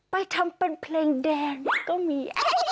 ไปทำเป็นเพลงแดงก็มี